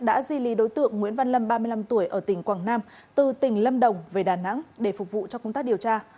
đã di lý đối tượng nguyễn văn lâm ba mươi năm tuổi ở tỉnh quảng nam từ tỉnh lâm đồng về đà nẵng để phục vụ cho công tác điều tra